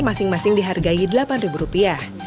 masing masing dihargai delapan ribu rupiah